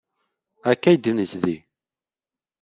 Akka i d-nezdi.